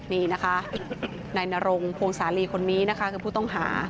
นี่นะคะนายนรงพวงสาลีคนนี้นะคะคือผู้ต้องหา